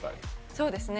そうですね。